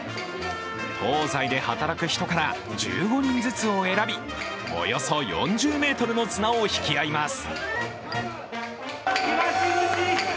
東西で働く人から１５人ずつを選び、およそ４０ｍの綱を引き合います。